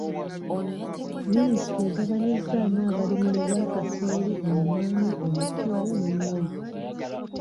Minisitule egabanyizzaamu abalimi mu ba kasooli, emmwanyi, omuceere ne muwogo.